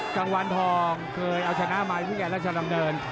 กังวันทองเคยเอาชนะมาวิ่งแอร์และชะลำเดิน